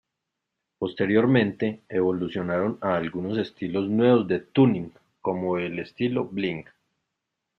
Posteriormente, evolucionaron a algunos estilos nuevos de tuning como el estilo "Bling".